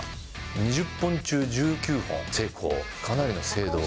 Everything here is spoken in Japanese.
２０本中１９本成功。